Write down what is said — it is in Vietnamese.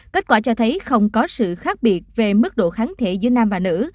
kết quả cho thấy không có sự khác biệt về mức độ kháng thể giữa nam và nữ